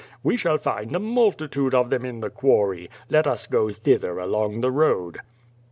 We shall find a multitude of them in the quarry. Let us go thither along the road."